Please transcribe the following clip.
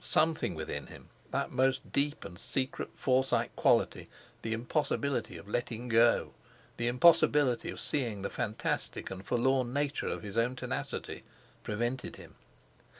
Something within him—that most deep and secret Forsyte quality, the impossibility of letting go, the impossibility of seeing the fantastic and forlorn nature of his own tenacity—prevented him.